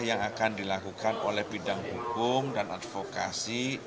yang akan dilakukan oleh bidang hukum dan advokasi